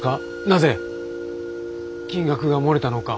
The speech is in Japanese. なぜ金額が漏れたのか。